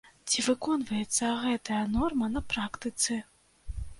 Ці выконваецца гэтая норма на практыцы?